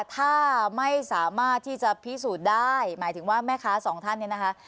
ถ้าไม่สามารถที่จะพิสูจน์ได้หมายถึงว่าแม่ค้าสองท่านเนี่ยนะคะ